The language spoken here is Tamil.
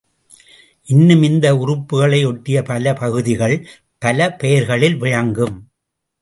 இன்னும் இந்த உறுப்புகளை ஒட்டிய பல பகுதி கள் பல பெயர்களில் விளங்கும்.